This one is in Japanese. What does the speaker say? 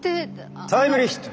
タイムリーヒット！